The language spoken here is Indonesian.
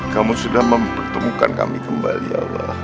kamu sudah mempertemukan kami kembali allah